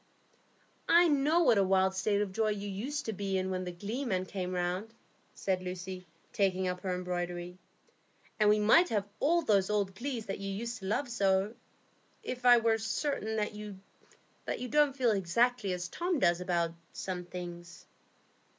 '" "I know what a wild state of joy you used to be in when the glee men came round," said Lucy, taking up her embroidery; "and we might have all those old glees that you used to love so, if I were certain that you don't feel exactly as Tom does about some things."